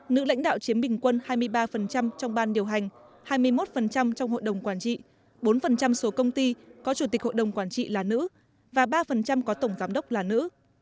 nữ lãnh đạo chiếm bình quân hai mươi ba trong ban điều hành hai mươi một trong hội đồng quản trị bốn số công ty có chủ tịch hội đồng quản trị là nữ và ba có tổng giám đốc là nữ